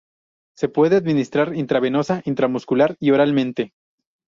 Se puede administrar intravenosa, intramuscular y oralmente.